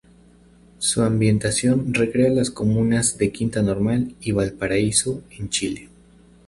Su ambientación recrea las comunas de Quinta Normal y Valparaíso en Chile.